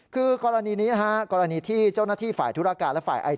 คือกรณีนี้เจ้าหน้าที่ฝ่ายธุรกาและฝ่ายไอที